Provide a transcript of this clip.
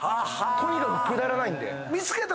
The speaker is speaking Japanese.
とにかくくだらないんで。